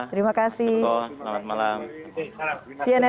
terima kasih mbak eva